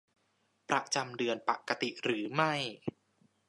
ประจำเดือนปกติหรือไม่